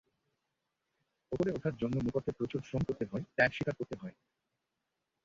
ওপরে ওঠার জন্য মকরকে প্রচুর শ্রম করতে হয়, ত্যাগ স্বীকার করতে হয়।